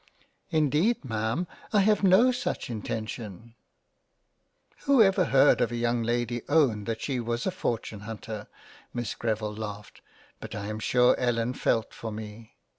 M Indeed Ma'am I have no such intention —"'' Who ever heard a young Lady own that she was a Fortune hunter ?" Miss Greville laughed but I am sure Ellen felt for me.